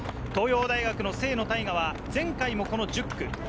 東洋大学の清野太雅は前回も１０区。